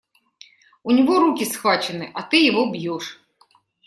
У него руки схвачены, а ты его бьешь.